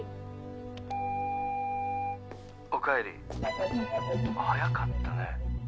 ☎おかえり早かったね。